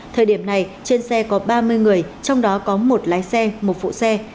thời điểm này trên xe có ba mươi người trong đó có một lái xe một phụ xe